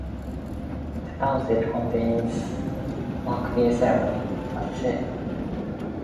The township contains Macville Cemetery.